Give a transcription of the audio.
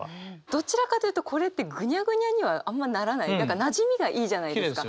どちらかというとこれってぐにゃぐにゃにはあんまならない何かなじみがいいじゃないですか。